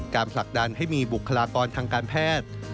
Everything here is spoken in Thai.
ผลักดันให้มีบุคลากรทางการแพทย์